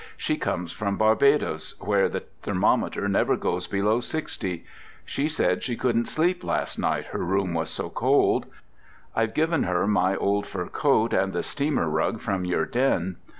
She comes from Barbados, where the thermometer never goes below sixty. She said she couldn't sleep last night, her room was so cold. I've given her my old fur coat and the steamer rug from your den.